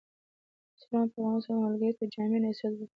د اسلام پيغمبر ص ملګري ته جامع نصيحت وکړ.